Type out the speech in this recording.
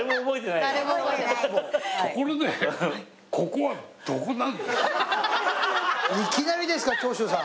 いきなりですか長州さん。